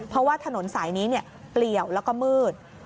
เพราะว่าถนนสายนี้เปลี่ยวแล้วก็มืด